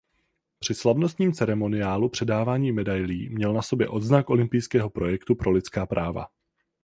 Při slavnostním ceremoniálu předávání medailí měl na sobě odznak Olympijského projektu pro lidská práva.